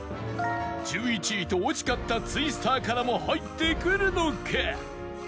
１１位と惜しかったツイスターからも入ってくるのか？